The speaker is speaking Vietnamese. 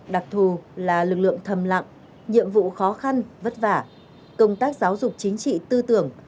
đặc thù là lực lượng thầm lặng nhiệm vụ khó khăn vất vả công tác giáo dục chính trị tư tưởng